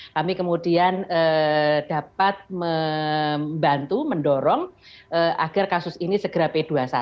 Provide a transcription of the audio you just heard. kami kemudian dapat membantu mendorong agar kasus ini segera p dua puluh satu